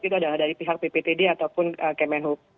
itu adalah dari pihak pptd ataupun kemenhub